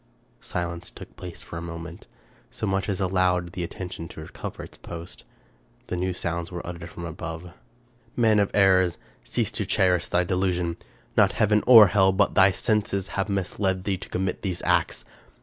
Silence took place for a moment : so much as allowed the attention to recover its post. Then new sounds were uttered from above :—" Man of errors ! cease to cherish thy delusion ; not heaven or hell, but thy senses, have misled thee to commit these acts.